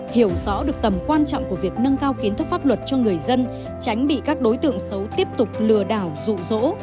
hiểu rõ được tầm quan trọng của việc nâng cao kiến thức pháp luật cho người dân tránh bị các đối tượng xấu tiếp tục lừa đảo rụ rỗ